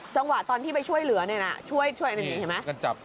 จังหวะตอนที่ไปช่วยเหลือช่วยอย่างนี้เห็นไหม